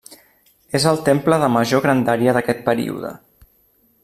És el temple de major grandària d'aquest període.